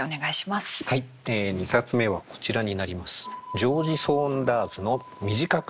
はい２冊目はこちらになります。